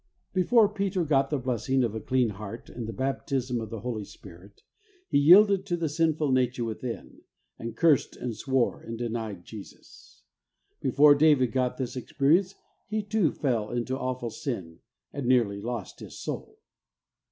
Before Peter got the blessing of a clean heart and the baptism of the Holy Spirit, he yielded to the sinful nature within, and cursed and swore, and denied Jesus. Before David got this experience he too fell into awful sin, and nearly lost his soul.